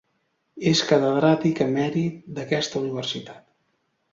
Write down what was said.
És catedràtic emèrit d'aquesta universitat.